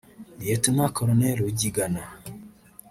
Lt Col Rugigana